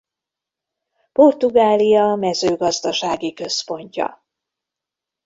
Portugália mezőgazdasági központja.